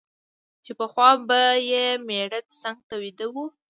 چي پخوا به یې مېړه څنګ ته ویده وو